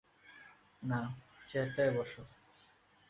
না, চেয়ারটায় বসো।